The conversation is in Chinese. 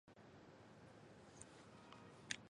以在太行山之东而得名。